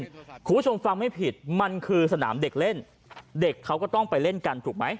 คุณผู้ชมฟังไม่ผิดมันคือสนามเด็กเล่นเด็กเขาก็ต้องไปเล่นกันถูกไหม